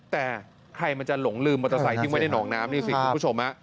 แต่ใครมันจะหลงลืมมอเตอร์ไซคิ้งไว้ในหนองน้ำนี่สิคุณผู้ชม